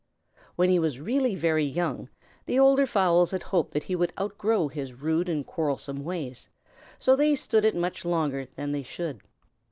When he was really very young, the older fowls had hoped that he would outgrow his rude and quarrelsome ways, so they stood it much longer than they should.